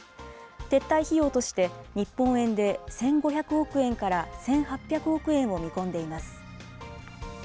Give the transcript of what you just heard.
撤退費用として、日本円で１５００億円から１８００億円を見込んでいます。